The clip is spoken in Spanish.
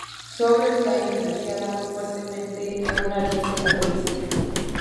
Su obra está influenciada fuertemente de un ardiente catolicismo.